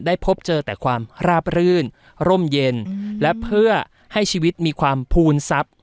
พบเจอแต่ความราบรื่นร่มเย็นและเพื่อให้ชีวิตมีความภูมิทรัพย์